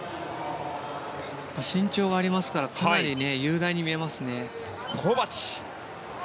身長がありますからかなり雄大に見えますね。